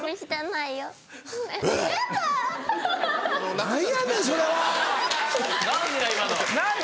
何やねんそれは！何だ？